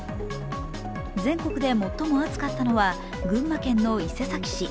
全国で最も暑かったのは、群馬県の伊勢崎市。